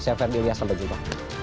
saya ferdinand dias sampai jumpa